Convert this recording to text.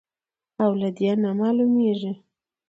او له دې نه معلومېږي،